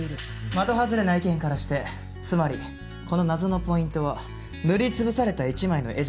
的外れな意見からしてつまりこの謎のポイントは塗り潰された１枚の絵じゃなく。